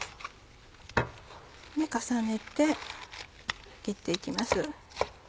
重ねて切って行きます。